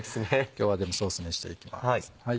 今日はでもソースにしていきます。